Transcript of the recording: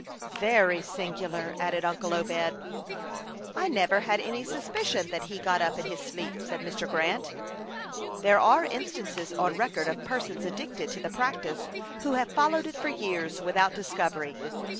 "Very singular," added uncle Obed. "I never had any suspicion that he got up in his sleep," said Mr. Grant. "There are instances on record of persons addicted to the practice who have followed it for years, without discovery.